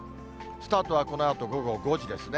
スタートはこのあと午後５時ですね。